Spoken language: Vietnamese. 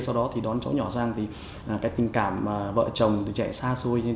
sau đó thì đón cháu nhỏ sang thì cái tình cảm vợ chồng từ trẻ xa xôi như thế này